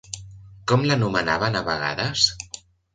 Com l'anomenaven a vegades?